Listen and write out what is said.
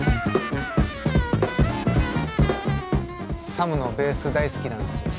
Ｓａｍのベース大好きなんですよ。